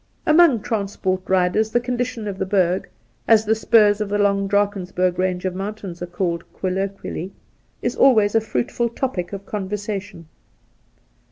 Among transport riders the condition of the Berg — as the spurs of the long Drakensberg range of mountains are called colloquially — is always a fruitful topic of conversation.